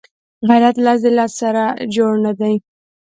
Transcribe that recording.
غیرت له ذلت سره جوړ نه دی